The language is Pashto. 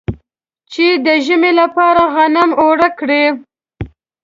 چې د ژمي لپاره غنم اوړه کړي.